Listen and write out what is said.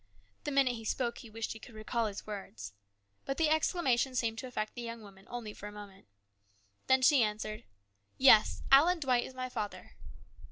The minute he spoke he wished he could recall his words. But the exclamation seemed to affect the young woman only for a moment. Then she answered, " Yes, Allen Dwight is my father."